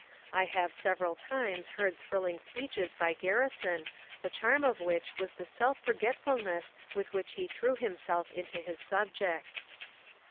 I have several times heard thrilling speeches by Garrison, the charm of which was the self for getf ulness with which he threw himself into his subject.